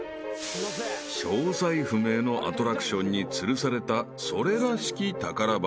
［詳細不明のアトラクションにつるされたそれらしき宝箱］